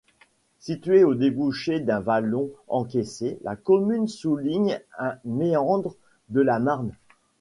Située au débouché d'un vallon encaissé, la commune souligne un méandre de la Marne.